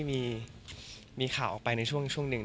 ก็มีไปคุยกับคนที่เป็นคนแต่งเพลงแนวนี้